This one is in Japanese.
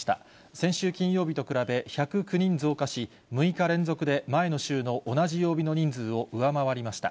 先週金曜日と比べ１０９人増加し、６日連続で前の週の同じ曜日の人数を上回りました。